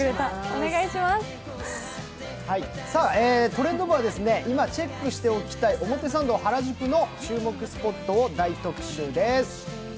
「トレンド部」は、今チェックしておきたい表参道・原宿の注目スポットを大特集です。